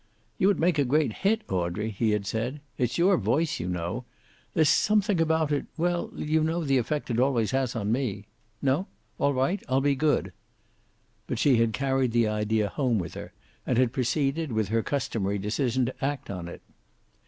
"You would make a great hit, Audrey," he had said. "It's your voice, you know. There's something about it well, you know the effect it always has on me. No? All right, I'll be good." But she had carried the idea home with her, and had proceeded, with her customary decision, to act on it.